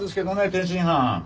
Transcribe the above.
天津飯。